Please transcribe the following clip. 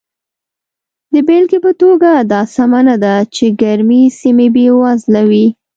د بېلګې په توګه دا سمه نه ده چې ګرمې سیمې بېوزله وي.